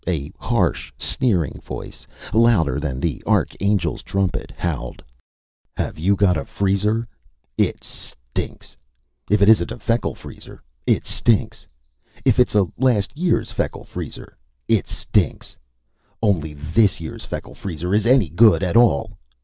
A harsh, sneering voice, louder than the arch angel's trumpet, howled: "Have you got a freezer? It stinks! If it isn't a Feckle Freezer, it stinks! If it's a last year's Feckle Freezer, it stinks! Only this year's Feckle Freezer is any good at all!